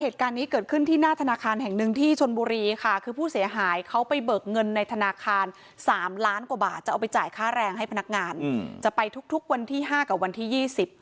เหตุการณ์นี้เกิดขึ้นที่หน้าธนาคารแห่งหนึ่งที่ชนบุรีค่ะคือผู้เสียหายเขาไปเบิกเงินในธนาคารสามล้านกว่าบาทจะเอาไปจ่ายค่าแรงให้พนักงานจะไปทุกทุกวันที่ห้ากับวันที่ยี่สิบ